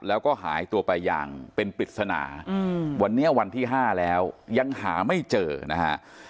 แล้วก็หายตัวไปอย่างเป็นปริศนาวันนี้วันที่๕แล้วยังหาไม่เจอนะฮะ